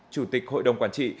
chủ tịch hội đồng quản trị